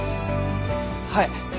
はい。